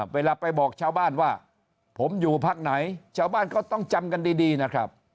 เวลาไปบอกชาวบ้านว่าผมอยู่พักไหนชาวบ้านก็ต้องจำกันดีนะครับ